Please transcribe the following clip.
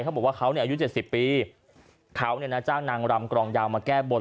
เขาบอกว่าเขาเนี่ยอายุ๗๐ปีเขาเนี่ยนะจ้างนางรำกรองยาวมาแก้บน